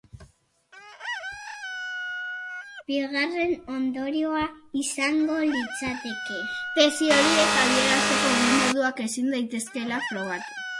Bigarren ondorioa izango litzateke, tesi horiek adierazteko bi moduak ezin daitezkeela frogatu.